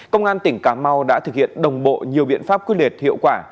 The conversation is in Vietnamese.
công an tỉnh cà mau đã thực hiện đồng bộ nhiều biện pháp quyết liệt hiệu quả